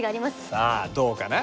さあどうかな？